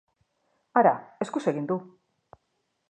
Hara, eskuz egin du!